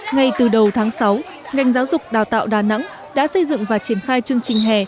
ngay từ đầu tháng sáu ngành giáo dục đào tạo đà nẵng đã xây dựng và triển khai chương trình hè